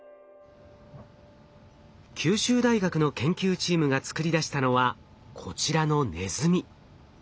九州大学の研究チームが作り出したのはこちらのネズミ。